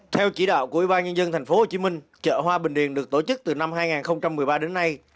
theo chỉ đạo của ủy ban nhân dân tp hcm chợ hoa bình điền được tổ chức từ năm hai nghìn một mươi ba đến nay